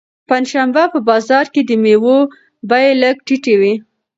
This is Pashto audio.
پنجشنبه په بازار کې د مېوو بیې لږې ټیټې وي.